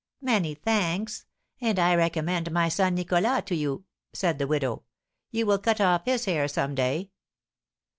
"Many thanks; and I recommend my son Nicholas to you," said the widow; "you will cut off his hair some day."